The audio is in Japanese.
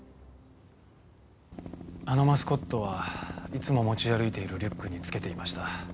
あのマスコットはいつも持ち歩いているリュックにつけていました。